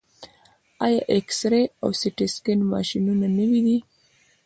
آیا اکسرې او سټي سکن ماشینونه نوي دي؟